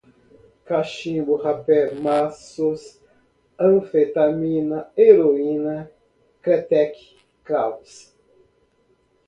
cachimbo, rapé, maços, anfetamina, heroína, kretek, cravos